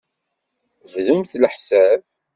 Bdumt leḥsab.